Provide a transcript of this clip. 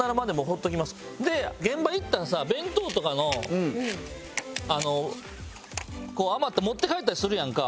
現場行ったらさ弁当とかの余って持って帰ったりするやんか。